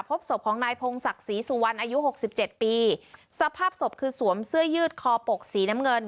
พบศพของนายพงศักดิ์ศรีสุวรรณอายุหกสิบเจ็ดปีสภาพศพคือสวมเสื้อยืดคอปกสีน้ำเงิน